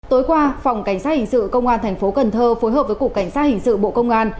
tối qua phòng cảnh sát hình sự công an thành phố cần thơ phối hợp với cục cảnh sát hình sự bộ công an